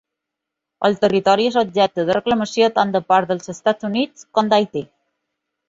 El territori és objecte de reclamació tant de part dels Estats Units com d'Haití.